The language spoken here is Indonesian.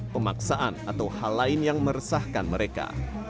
pemaksaan atau hal lain yang meresahkan mereka